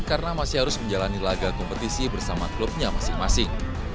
karena masih harus menjalani laga kompetisi bersama klubnya masing masing